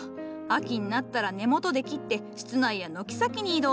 秋になったら根元で切って室内や軒先に移動するとよい。